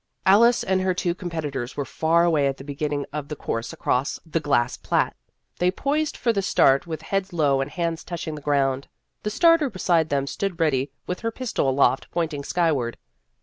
Alice and her two competitors were far away at the beginning of the course across the grass plat. They poised for the start with heads low and hands touching the ground. The starter beside them stood ready with her pistol aloft pointing sky ward.